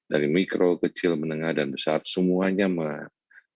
dari mikro kecil menengah dan besar semuanya mahal